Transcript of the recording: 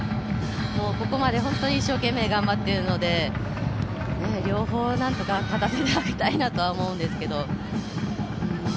ここまで一生懸命頑張っているので両方なんとか勝たせてあげたいなとは思うんですけど。